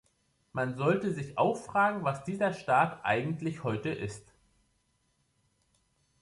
Man sollte sich auch fragen, was dieser Staat eigentlich heute ist.